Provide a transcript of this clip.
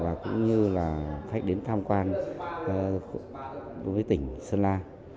và cũng như là khách đến tham quan đối với tỉnh sơn la